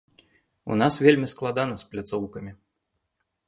У нас вельмі складана з пляцоўкамі.